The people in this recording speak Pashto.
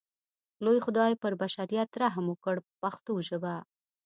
لوی خدای پر بشریت رحم وکړ په پښتو ژبه.